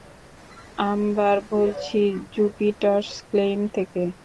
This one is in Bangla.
অ্যাম্বার বলছি, জুপিটার্স ক্লেইম থেকে।